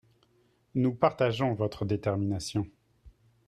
Nous partageons votre détermination.